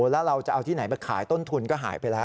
แล้วเราจะเอาที่ไหนไปขายต้นทุนก็หายไปแล้ว